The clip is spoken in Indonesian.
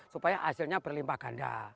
supaya hasilnya berlimpah ganda